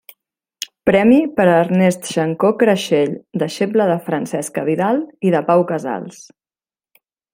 Premi per a Ernest Xancó Creixell, deixeble de Francesca Vidal i de Pau Casals.